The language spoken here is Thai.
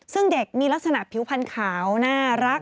ซึ่งเด็กมีลักษณะผิวพันธ์ขาวน่ารัก